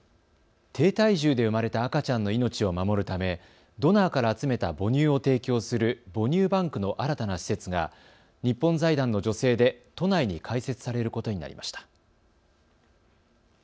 低体重で生まれた赤ちゃんの命を守るため、ドナーから集めた母乳を提供する母乳バンクの新たな施設が日本財団の助成で都内に開設されることになりました。